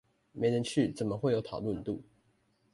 沒人去，怎麼會有討論度？